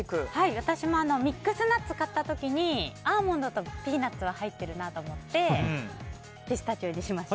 私も、ミックスナッツを買った時にアーモンドとピーナツは入ってるなと思ってピスタチオにしました。